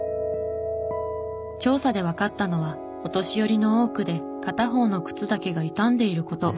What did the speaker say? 調査でわかったのはお年寄りの多くで片方の靴だけが傷んでいる事。